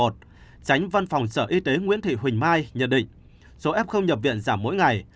tránh văn phòng sở y tế nguyễn thị huỳnh mai nhận định số f nhập viện giảm mỗi ngày